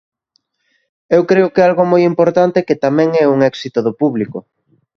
Eu creo que algo moi importante que tamén é un éxito do público.